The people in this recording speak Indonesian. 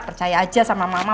percaya aja sama mama